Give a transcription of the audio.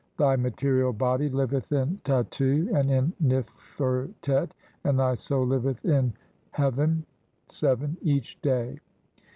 Thy material body liveth in "Tattu [and in] Nif urtet, and thy soul liveth in hea "ven (7) each day."